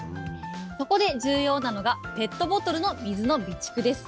そこで、重要なのがペットボトルの水の備蓄です。